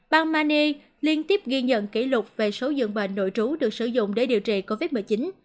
bang mani liên tiếp ghi nhận kỷ lục về số dường bệnh nội trú được sử dụng để điều trị covid một mươi chín